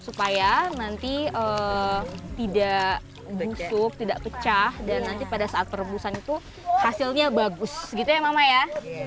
supaya nanti tidak bentuk tidak pecah dan nanti pada saat perebusan itu hasilnya bagus gitu ya mama ya